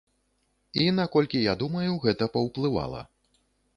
І наколькі я думаю, гэта паўплывала.